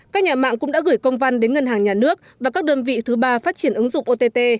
các nhà mạng cũng đã gửi công văn đến ngân hàng nhà nước và các đơn vị thứ ba phát triển ứng dụng ott